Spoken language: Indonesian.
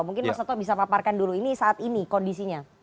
mungkin mas toto bisa paparkan dulu ini saat ini kondisinya